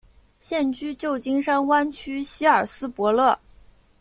现居旧金山湾区希尔斯伯勒。